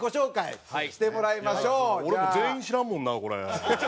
俺も全員知らんもんなこれ。